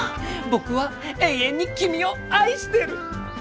僕は永遠に君を愛してる！